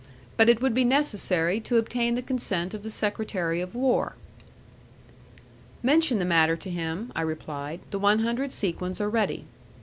But it would be necessary to obtain the consent of the secretary of war." "Mention the matter to him," I replied, "the one hundred sequins are ready."